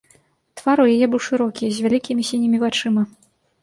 Твар у яе быў шырокі, з вялікімі сінімі вачыма.